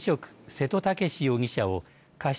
瀬戸健史容疑者を過失